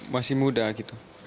masih muda gitu